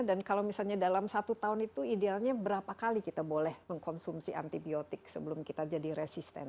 dan kalau misalnya dalam satu tahun itu idealnya berapa kali kita boleh mengkonsumsi antibiotik sebelum kita jadi resisten